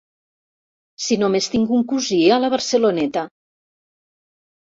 Si només tinc un cosí a la Barceloneta!